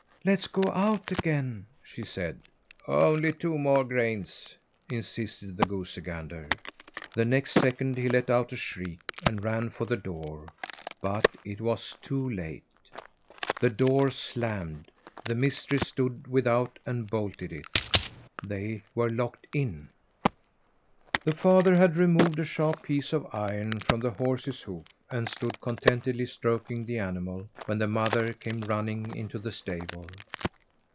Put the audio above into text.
"Let's go out again!" she said. "Only two more grains," insisted the goosey gander. The next second he let out a shriek and ran for the door, but it was too late! The door slammed, the mistress stood without and bolted it. They were locked in! The father had removed a sharp piece of iron from the horse's hoof and stood contentedly stroking the animal when the mother came running into the stable.